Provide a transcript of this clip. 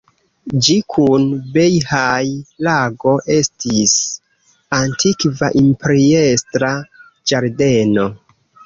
Ĝi kun Bejhaj-lago estis antikva imperiestra ĝardeno.